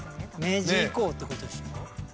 明治以降ってことでしょ。